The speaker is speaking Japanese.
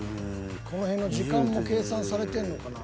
［この辺の時間も計算されてんのかな］